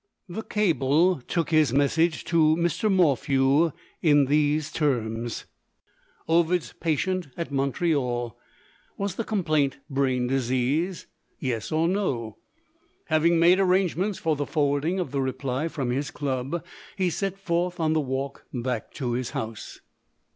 The cable took his message to Mr. Morphew in these terms: "Ovid's patient at Montreal. Was the complaint brain disease? Yes or no." Having made arrangements for the forwarding of the reply from his club, he set forth on the walk back to his house.